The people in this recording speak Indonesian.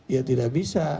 ya tidak bisa